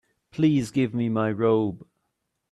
Please give me my robe.